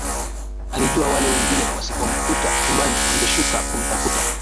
Alijua wale wengine wasipomkuta chumbani wangeshuka kumtafuta